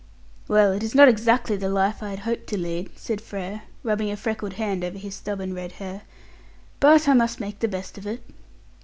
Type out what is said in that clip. "Well, it is not exactly the life I had hoped to lead," said Frere, rubbing a freckled hand over his stubborn red hair; "but I must make the best of it."